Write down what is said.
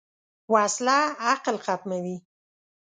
وسله عقل ختموي